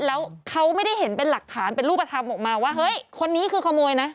แล้วเขาไม่ได้เห็นเป็นหลักฐานเป็นรูปธรรมออกมาว่าเฮ้ยคนนี้คือขโมยนะ